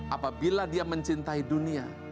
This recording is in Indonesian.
apabila dia mencintai dunia